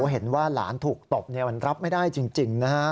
เห็นว่าหลานถูกตบมันรับไม่ได้จริงนะฮะ